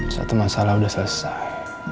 satu masalah udah selesai